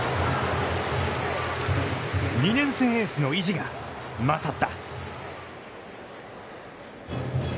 ２年生エースの意地が勝った！